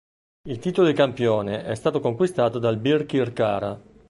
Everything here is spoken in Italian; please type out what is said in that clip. Il titolo di campione è stato conquistato dal Birkirkara.